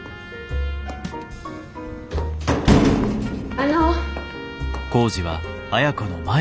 あの。